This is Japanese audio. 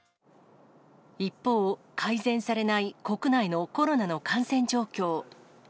一方、改善されない国内のコロナの感染状況。